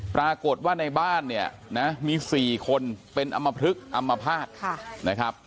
ปรากฏว่าในบ้านเนี่ยนะมี๔คนเป็นอำมพลึกอำมภาษณ์นะครับ